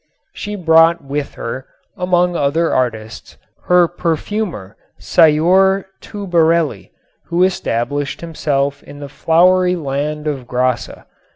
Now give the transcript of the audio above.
She brought with her, among other artists, her perfumer, Sieur Toubarelli, who established himself in the flowery land of Grasse.